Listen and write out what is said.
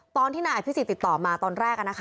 ตอนที่พี่สิติดต่อมาตอนแรก